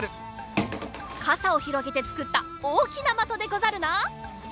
かさをひろげてつくったおおきなまとでござるな。